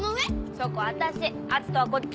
そこ私篤斗はこっち！